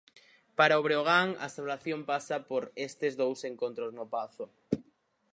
Para o Breogán, a salvación pasa por estes dous encontros no Pazo.